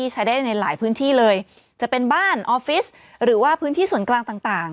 ใช้ได้ในหลายพื้นที่เลยจะเป็นบ้านออฟฟิศหรือว่าพื้นที่ส่วนกลางต่าง